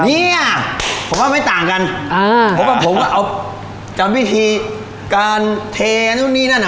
เนี่ยผมว่าไม่ต่างกันอ่าเพราะว่าผมก็เอาจำวิธีการเทนู่นนี่นั่นอ่ะ